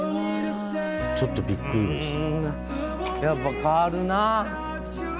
ちょっとビックリでした。